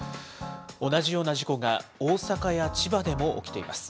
同じような事故が大阪や千葉でも起きています。